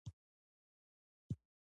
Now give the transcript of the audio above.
ابدالي له سرکښو مشرانو بېغمه شو.